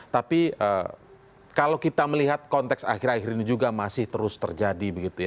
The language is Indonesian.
tapi kalau kita melihat konteks akhir akhir ini juga masih terus terjadi